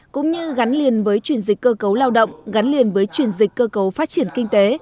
cũng như gắn liền với chuyển dịch cơ cấu lao động gắn liền với chuyển dịch cơ cấu phát triển kinh tế